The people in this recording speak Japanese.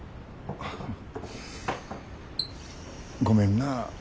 ごめんな。